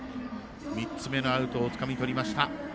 ３つ目のアウトをつかみとりました。